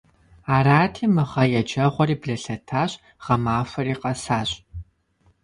Арати, мы гъэ еджэгъуэри блэлъэтащ, гъэмахуэри къэсащ.